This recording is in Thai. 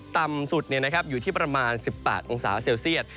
ต่ำสุดอยู่ที่ประมาณ๑๘องศาเซลเซียต